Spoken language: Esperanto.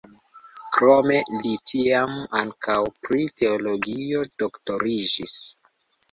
Krome li tiam ankaŭ pri teologio doktoriĝis.